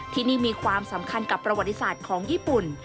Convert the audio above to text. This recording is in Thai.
ที่นี่มีความสำคัญกับประวัติศาสตร์ของญี่ปุ่น